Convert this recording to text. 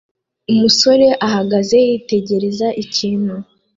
Umusore ahagaze yitegereza ikintu